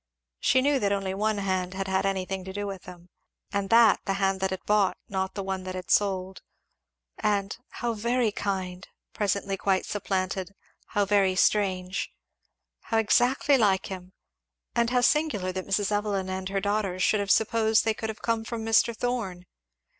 She knew that only one hand had had anything to do with them, and that the hand that had bought, not the one that had sold; and "How very kind!" presently quite supplanted "How very strange!" "How exactly like him, and how singular that Mrs. Evelyn and her daughters should have supposed they could have come from Mr. Thorn."